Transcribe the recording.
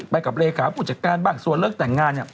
ไปกับเลขาผู้จัดการบ้างส่วนเลิกแต่งงานเนี่ย